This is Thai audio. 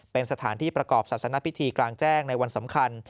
เป็นสถานที่ประกอบศาสนพิธีกลางแจ้งในวันสำคัญ